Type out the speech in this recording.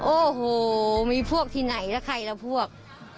โอ้โหมีพวกที่ไหนแล้วใครละพวก